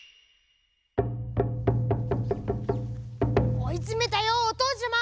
おいつめたよおとうちゃま！